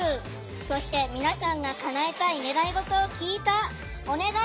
そして、皆さんがかなえたい願い事を聞いた「お願い！